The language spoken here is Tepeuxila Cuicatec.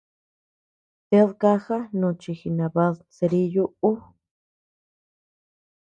¡Ted kaja nochi jinabad kerillo ú!